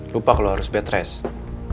lupa kalau harus bed rest